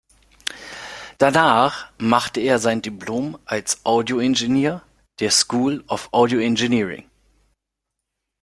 Danach machte er sein Diplom als „Audio Engineer“ der „School of Audio Engineering“.